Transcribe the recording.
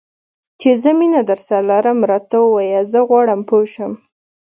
چې زه مینه درسره لرم؟ راته ووایه، زه غواړم پوه شم.